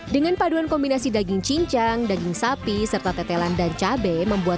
dengan paduan kombinasi daging cincang daging sapi serta tetelan dan cabai membuat